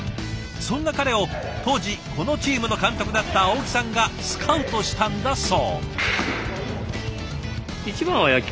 そんな彼を当時このチームの監督だった青木さんがスカウトしたんだそう。